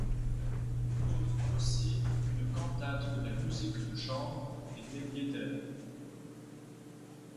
Il compose aussi une cantate de la musique de chambre et des lieder.